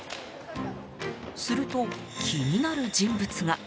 すると、気になる人物が。